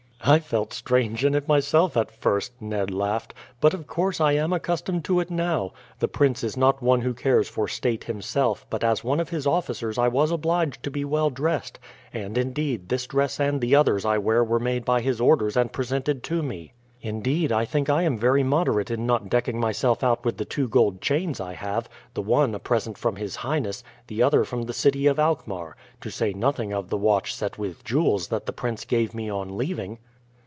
"I felt strange in it myself at first," Ned laughed; "but of course I am accustomed to it now. The prince is not one who cares for state himself, but as one of his officers I was obliged to be well dressed; and, indeed, this dress and the others I wear were made by his orders and presented to me. Indeed I think I am very moderate in not decking myself out with the two gold chains I have the one a present from his highness, the other from the city of Alkmaar to say nothing of the watch set with jewels that the prince gave me on leaving."